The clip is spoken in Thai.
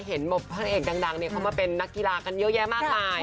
เห็นพระเอกดังเขามาเป็นนักกีฬากันเยอะแยะมากมาย